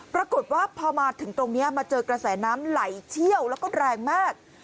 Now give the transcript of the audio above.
ปรากฏว่าพอมาถึงตรงนี้มาเจอกระแสน้ำไหลเชี่ยวแล้วก็แรงมาก